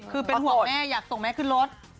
เป็นหวากแม่อยากส่งแม่ขึ้นรถ